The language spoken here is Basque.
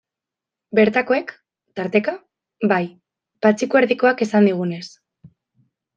Bertakoek, tarteka, bai, Patxiku Erdikoak esan digunez.